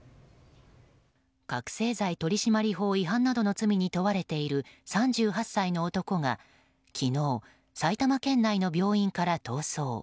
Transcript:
覚醒剤取締法違反などの罪に問われている３８歳の男が昨日、埼玉県内の病院から逃走。